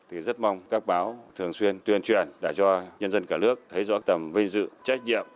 thì rất mong các báo thường xuyên tuyên truyền để cho nhân dân cả nước thấy rõ tầm vinh dự trách nhiệm